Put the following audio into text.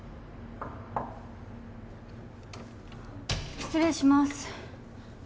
失礼します。